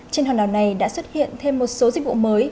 trên hòn đảo này đã xuất hiện thêm một số dịch vụ mới